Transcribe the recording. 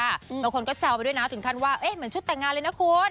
บางคนก็แซวไปด้วยนะถึงขั้นว่าเหมือนชุดแต่งงานเลยนะคุณ